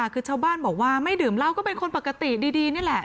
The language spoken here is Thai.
คือชาวบ้านบอกว่าไม่ดื่มเหล้าก็เป็นคนปกติดีนี่แหละ